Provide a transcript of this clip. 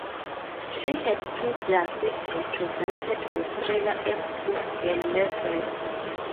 She had previously represented Australia at schoolgirl level.